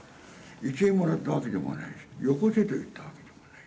１円ももらったわけでもない、よこせと言ったわけでもない。